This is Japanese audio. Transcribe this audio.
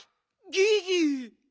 ギギ！